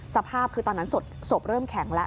สภาพคือตอนนั้นศพเริ่มแข็งแล้ว